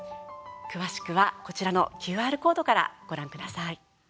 詳しくは、こちらのＱＲコードからご覧ください。